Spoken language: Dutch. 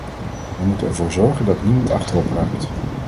We moeten ervoor zorgen dat niemand achterop raakt.